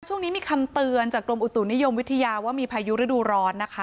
ช่วงนี้มีคำเตือนจากกรมอุตุนิยมวิทยาว่ามีพายุฤดูร้อนนะคะ